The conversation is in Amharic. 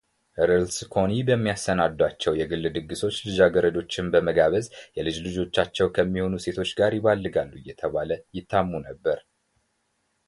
ርልስኮኒ በሚያሰናዷቸው የግል ድግሶች ልጃገረዶችን በመጋበዝ የልጅ ልጆቻቸው ከሚሆኑ ሴቶች ጋር ይባልጋሉ እየተባሉ ይታሙ ነበር።